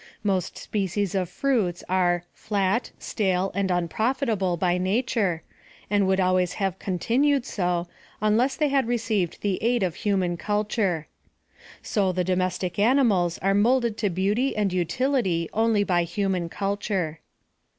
Most species of fruits are "flat, stale, and unprofitable" "by nature, and would always have continued so, unless they had received the aid of human culture. So the domestic animals are moulded to beauty and utility only by human culture.